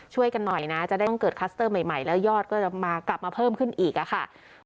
กันหน่อยนะจะได้ต้องเกิดคัสเตอร์ใหม่แล้วยอดก็จะมากลับมาเพิ่มขึ้นอีกค่ะ